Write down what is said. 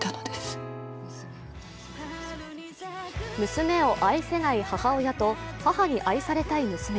娘を愛せない母親と母に愛されたい娘。